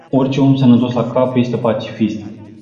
Orice om sănătos la cap este pacifist.